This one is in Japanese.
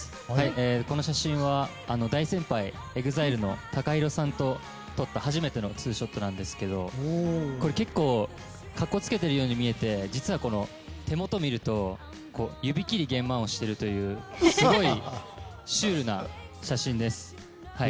この写真は大先輩、ＥＸＩＬＥのＴＡＫＡＨＩＲＯさんと撮った初めてのツーショットですが結構、格好つけてるように見えて実は、手元を見ると指切りげんまんをしているというすごいシュールな写真です。